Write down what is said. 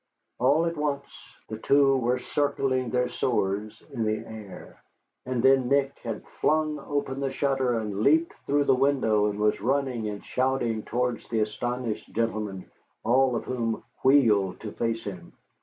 All at once the two were circling their swords in the air, and then Nick had flung open the shutter and leaped through the window, and was running and shouting towards the astonished gentlemen, all of whom wheeled to face him.